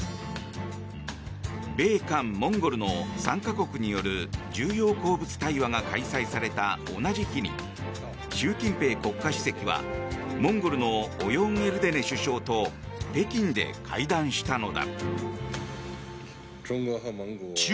米韓モンゴルの３か国による重要鉱物対話が開催された同じ日に習近平国家主席はモンゴルのオヨーンエルデネ首相と北京で会談したのだ。